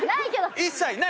一切ない！